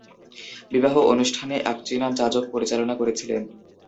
বিবাহ অনুষ্ঠানে এক চীনা যাজক পরিচালনা করেছিলেন।